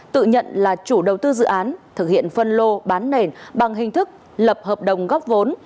tự nhận là chủ đầu tư dự án thực hiện phân lô bán nền bằng hình thức lập hợp đồng góp vốn